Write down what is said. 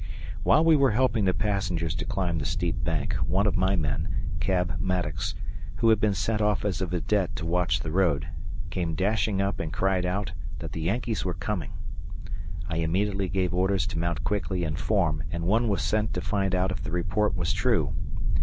While we were helping the passengers to climb the steep bank, one of my men, Cab Maddux, who had been sent off as a vidette to watch the road, came dashing up and cried out that the Yankees were coming. I immediately gave orders to mount quickly and form, and one was sent to find out if the report was true.